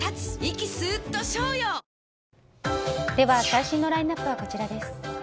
最新のラインアップはこちらです。